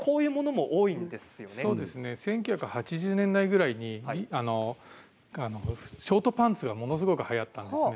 １９８０年代くらいにショートパンツがものすごくはやったんですね。